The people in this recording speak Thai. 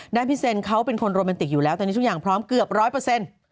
พี่เซนเขาเป็นคนโรแมนติกอยู่แล้วตอนนี้ทุกอย่างพร้อมเกือบร้อยเปอร์เซ็นต์